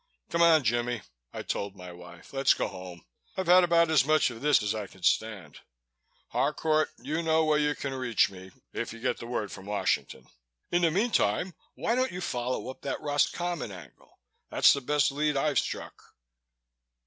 "Come on, Jimmie," I told my wife. "Let's go home. I've had about as much of this as I can stand. Harcourt, you know where you can reach me, if you get the word from Washington. In the meantime, why don't you follow up that Roscommon angle? That's the best lead I've struck."